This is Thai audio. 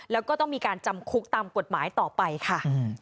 แล้วก็ต้องมีการจำคุกตามกฎหมายต่อไปค่ะ